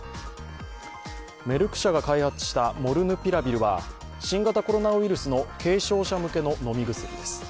メルク社が開発したモルヌピラビルは新型コロナウイルスの軽症者向けの飲み薬です。